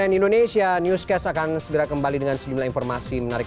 jadi anda indonesia newscast akan segera kembali dengan sejumlah informasi menarik